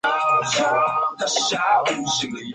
吴廷琰会作出任何事情来试图扑灭共产革命。